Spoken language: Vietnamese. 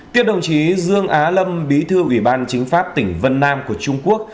tiếp đồng chí dương á lâm bí thư ủy ban chính pháp tỉnh vân nam của trung quốc